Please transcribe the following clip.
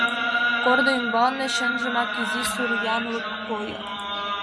Корно ӱмбалне чынжымак изи сур янлык койо.